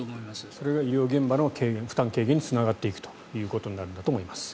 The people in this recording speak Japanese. それが医療現場の負担軽減につながっていくんだということだと思います。